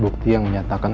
bukti yang menyatakan